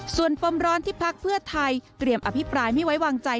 ส่วนปมร้อนที่พักเพื่อไทยเตรียมอภิปรายไม่ไว้วางใจ